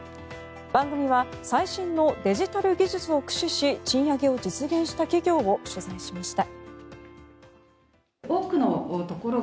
番組は最新のデジタル技術を駆使し賃上げを実現した企業を取材しました。